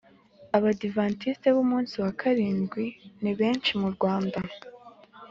Abadivantisiti b Umunsi wa Karindwi nibenshi murwanda